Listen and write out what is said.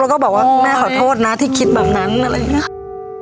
แล้วก็บอกว่าแม่ขอโทษนะที่คิดแบบนั้นอะไรอย่างนี้ค่ะ